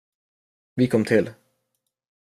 Vi kom till.